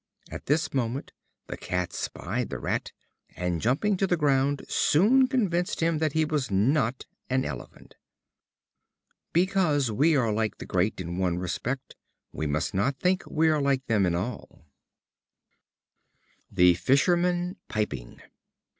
At this moment, the cat spied the rat, and, jumping to the ground, soon convinced him that he was not an elephant. Because we are like the great in one respect we must not think we are like them in all. The Fisherman Piping.